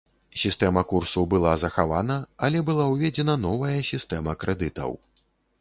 Сістэма курсу была захавана, але была ўведзена новая сістэма крэдытаў.